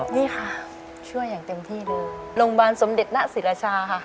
นี่ค่ะช่วยอย่างเต็มที่เลยโรงพยาบาลสมเด็จณศิราชาค่ะ